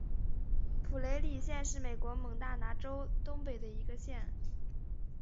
普雷里县是美国蒙大拿州东部的一个县。